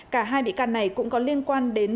cả hai bị can này cũng có liên quan đến